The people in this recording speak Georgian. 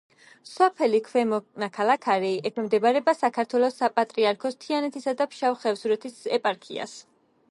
სოფელი ქვემო ნაქალაქარი ექვემდებარება საქართველოს საპატრიარქოს თიანეთისა და ფშავ-ხევსურეთის ეპარქიას.